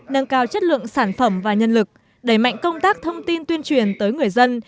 nâng cao chất lượng sản phẩm và nhân lực đẩy mạnh công tác thông tin tuyên truyền tới người dân